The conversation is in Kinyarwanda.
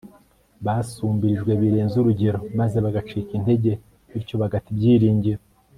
basumbirijwe birenze urugero maze bagacika intege bityo bagata ibyiringiro